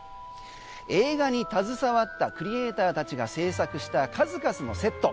映画に携わったクリエイターたちが制作した数々のセット。